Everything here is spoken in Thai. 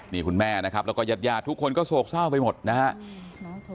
นี่คุณแม่นะครับแล้วก็ญาติญาติทุกคนก็โศกเศร้าไปหมดนะครับ